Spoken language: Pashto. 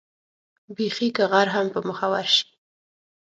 بېخي که غر هم په مخه ورشي.